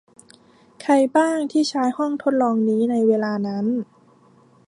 ใครบ้างที่ใช้ห้องทดลองนี้ในเวลานั้น